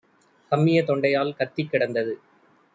கம்மிய தொண்டையால் கத்திக் கிடந்தது!